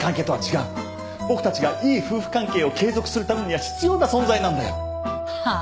僕たちがいい夫婦関係を継続するためには必要な存在なんだよ。はあ？